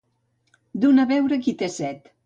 Donar beure al qui té set.